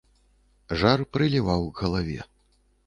Жар прыліваў к галаве.